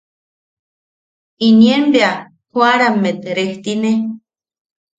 Inien bea joʼarammet rejtine.